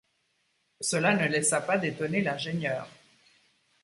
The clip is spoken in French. Cela ne laissa pas d’étonner l’ingénieur